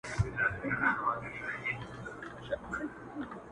قافله راځي ربات ته که تېر سوي کاروانونه؟!!